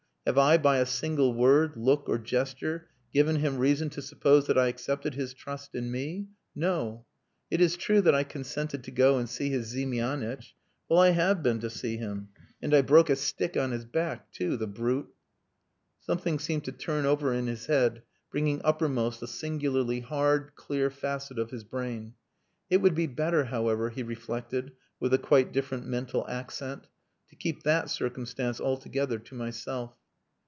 Have I by a single word, look, or gesture given him reason to suppose that I accepted his trust in me? No! It is true that I consented to go and see his Ziemianitch. Well, I have been to see him. And I broke a stick on his back too the brute." Something seemed to turn over in his head bringing uppermost a singularly hard, clear facet of his brain. "It would be better, however," he reflected with a quite different mental accent, "to keep that circumstance altogether to myself."